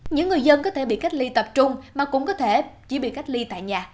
những người dân có thể bị cách ly tập trung mà cũng có thể chỉ bị cách ly tại nhà